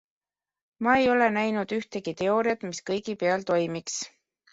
Ma ei ole näinud ühtegi teooriat, mis kõigi peal toimiks.